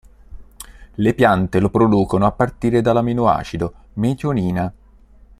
Le piante lo producono a partire dall'amminoacido metionina.